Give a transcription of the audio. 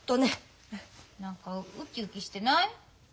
何かウキウキしてない？